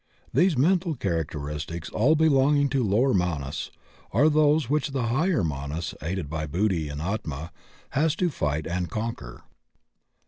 These mental characteristics all belonging to Lower Manas, are those which the Higher Manas, aided by Buddhi and Atma, has to fight and conquer.